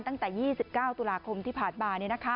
ตั้งแต่๒๙ตุลาคมที่ผ่านมา